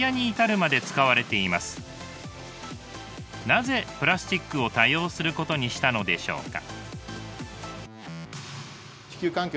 なぜプラスチックを多用することにしたのでしょうか？